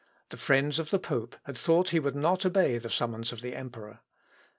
The friends of the pope had thought he would not obey the summons of the emperor.